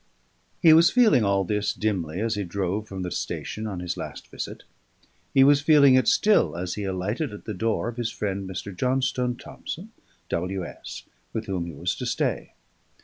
He was feeling all this dimly, as he drove from the station, on his last visit; he was feeling it still as he alighted at the door of his friend Mr. Johnstone Thomson, W.S., with whom he was to stay.